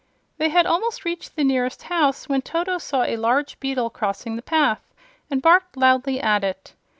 They had almost reached the nearest house when Toto saw a large beetle crossing the path and barked loudly at it.